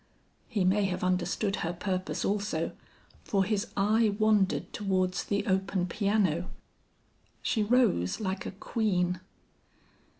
He may have understood her purpose also, for his eye wandered towards the open piano. She rose like a queen.